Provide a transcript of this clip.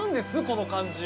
この感じ。